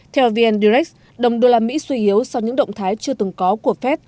theo vn direct đồng đô la mỹ suy yếu so với những động thái chưa từng có của fed